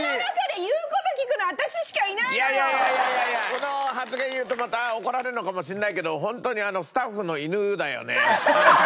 この発言言うとまた怒られるのかもしれないけどホントにスタッフの犬だよね。